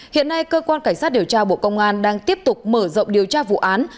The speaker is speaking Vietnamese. hiện nay cơ quan cảnh sát điều tra bộ công an đang tiếp tục mở rộng điều tra vụ án